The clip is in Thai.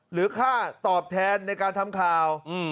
หรือค่าตอบแทนในการทำข่าว